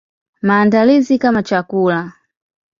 Maandalizi kama chakula.